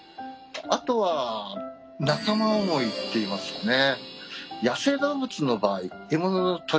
あとは仲間思いっていいますかね。